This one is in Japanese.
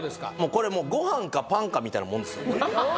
これもうご飯かパンかみたいなもんですよははは